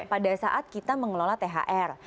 pada saat kita mengelola thr